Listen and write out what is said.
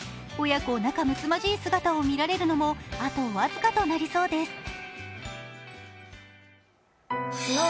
親子仲むつまじい姿を見られるのもあと僅かとなりそうです。